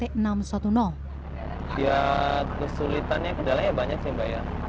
ya kesulitannya kendalanya banyak sih mbak ya